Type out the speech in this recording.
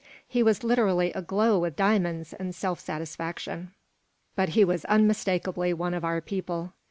He was literally aglow with diamonds and self satisfaction. But he was unmistakably one of our people.